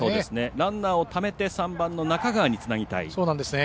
ランナーをためて３番の中川につなぎたい。